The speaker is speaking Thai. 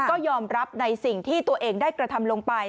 ก็ยอมรับในสิ่งที่ตัวเองได้กระทำลงไป